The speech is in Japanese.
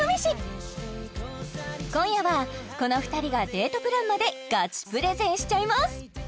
今夜はこの２人がデートプランまでガチプレゼンしちゃいます！